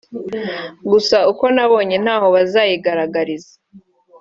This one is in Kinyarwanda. Gusa uko nabonye ntaho bazayigaragariza